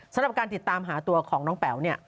สำหรับการติดตามหาตัวของน้องแป๋วเนี่ย